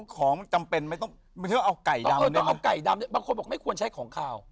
อ๋อซมากเอาจำไม่ต้องมาให้เงียบง่ายเอาใจดำบางคนบอกไม่ควรใช้ของข้าว